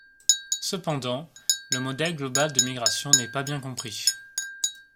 Cependant, le modèle global de migration n'est pas bien compris.